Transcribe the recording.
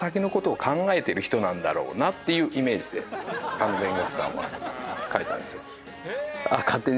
あの弁護士さんは描いたんですよ。